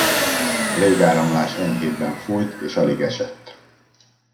A légáramlás enyhébben fújt, és alig esett.